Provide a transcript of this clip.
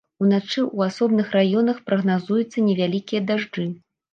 Уначы ў асобных раёнах прагназуюцца невялікія дажджы.